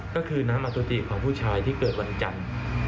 ก็คือน้ำอตุติของผู้ชายที่เกิดวันจันทร์